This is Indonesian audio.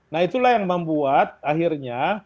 nah itulah yang membuat akhirnya